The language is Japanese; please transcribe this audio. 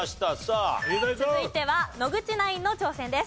続いては野口ナインの挑戦です。